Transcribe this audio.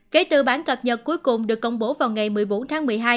kể từ bản cập nhật cuối cùng được công bố vào ngày một mươi bốn tháng một mươi hai